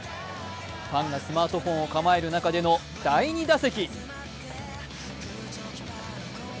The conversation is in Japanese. ファンがスマートフォンを構える中での第２打席。